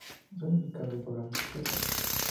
Su significado es "dolores, pesares".